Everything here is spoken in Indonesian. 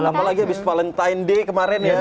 apalagi abis valentine day kemarin ya